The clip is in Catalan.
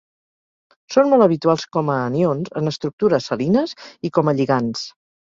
Són molt habituals com a anions en estructures salines i com a lligands.